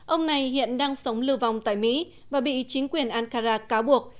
ông này hiện đang sống lưu vong tại mỹ và bị chính quyền ankara cáo buộc